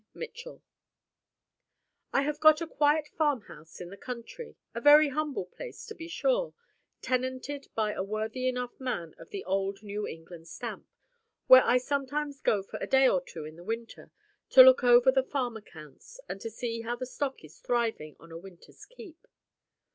MITCHELL I have got a quiet farmhouse in the country, a very humble place, to be sure, tenanted by a worthy enough man of the old New England stamp, where I sometimes go for a day or two in the winter, to look over the farm accounts and to see how the stock is thriving on the winter's keep.